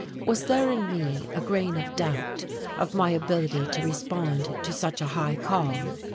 Was there in me a grain of doubt of my ability to respond to such a high call?